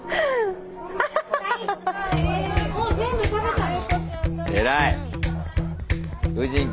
もう全部食べたの？